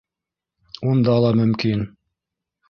Унда ла мөмкин.